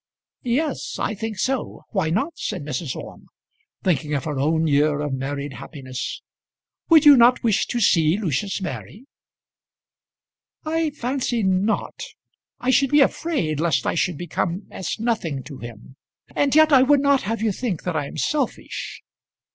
"Yes, I think so. Why not?" said Mrs. Orme, thinking of her own year of married happiness. "Would you not wish to see Lucius marry?" "I fancy not. I should be afraid lest I should become as nothing to him. And yet I would not have you think that I am selfish."